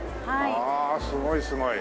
ああすごいすごい。